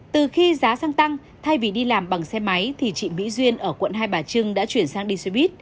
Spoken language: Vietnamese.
từ khi giá xăng tăng thay vì đi làm bằng xe máy thì chị mỹ duyên ở quận hai bà trưng đã chuyển sang đi xe buýt